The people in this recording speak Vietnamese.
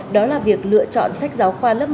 đó là việc lựa chọn sách giáo khoa lớp một